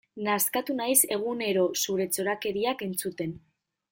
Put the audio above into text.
Nazkatu naiz egunero zure txorakeriak entzuten.